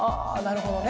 なるほど。